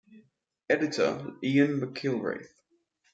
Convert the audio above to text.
Editor: Ian McIlraith.